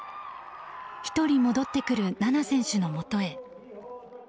１人戻ってくる菜那選手のもとへ。